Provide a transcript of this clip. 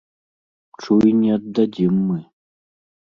Чуй, не аддадзім мы!